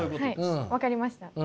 あっ分かりました。